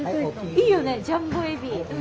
いいよねジャンボえび。